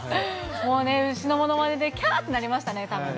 もうね、牛のものまねで、きゃーってなりましたね、たぶんね。